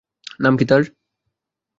নাম কী তার?